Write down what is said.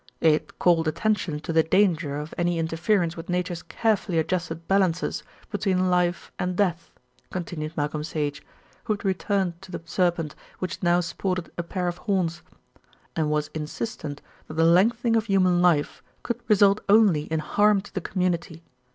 "It called attention to the danger of any interference with Nature's carefully adjusted balances between life and death," continued Malcolm Sage, who had returned to the serpent which now sported a pair of horns, "and was insistent that the lengthening of human life could result only in harm to the community.